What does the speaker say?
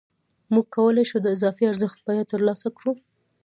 موږ کولای شو د اضافي ارزښت بیه ترلاسه کړو